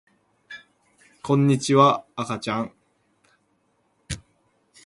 こんにちは、あかちゃん